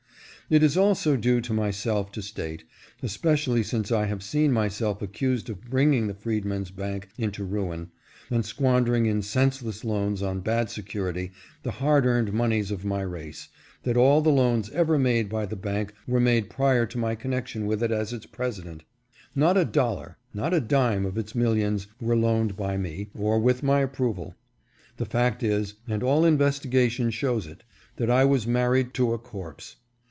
It is also due to myself to state, especially since I have seen myself accused of bringing the Freedmen's Bank into ruin, and squandering in senseless loans on bad security the hardly earned moneys of my race, that all the loans ever made by the bank were made prior to my connection with it as its president. Not a dollar, not a dime of its millions were loaned by me, or with my approval. The fact is, and all investigation shows it, that I was married to a corpse.